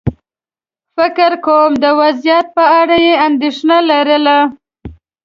فکر کووم د وضعيت په اړه یې اندېښنه لرله.